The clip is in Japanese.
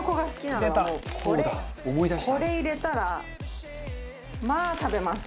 これ入れたらまあ食べます。